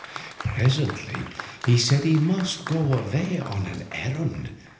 Presently he said he must go away on an errand.